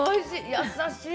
優しい。